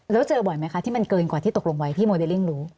แล้วเจอบ่อยไหมคะที่มันเกินกว่าที่ตกลงไว้พี่โมเดลลิ่งรู้